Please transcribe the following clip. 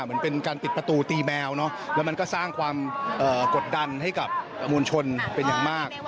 เหมือนเป็นการปิดประตูตีแมวแล้วมันก็สร้างความกดดันให้กับมวลชนเป็นอย่างมาก